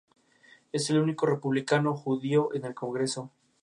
Es el único republicano judío en el Congreso.